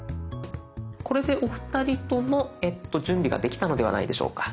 これでお二人とも準備ができたのではないでしょうか。